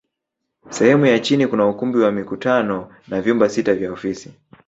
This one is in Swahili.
Sehemu ya chini kuna ukumbi wa mikutano na vyumba sita vya ofisi